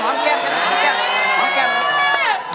หอมแก้ม